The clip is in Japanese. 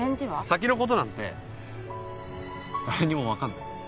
先の事なんて誰にもわかんない。